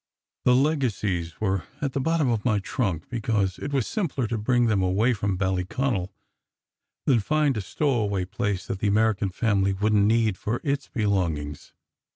The legacies were at the bottom of my trunk, because it was simpler to bring them away from Ballyconal, than find a stowaway place that the American family wouldn t need for its belongings.